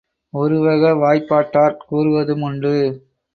உருவகவாய்பாட்டாற் கூறுவதுமுண்டு.